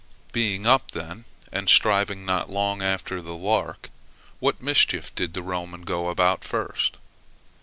Being up then, and stirring not long after the lark, what mischief did the Roman go about first?